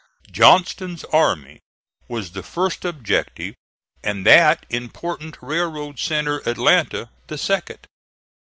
Johnston's army was the first objective, and that important railroad centre, Atlanta, the second.